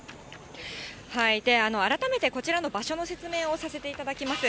改めてこちらの場所の説明をさせていただきます。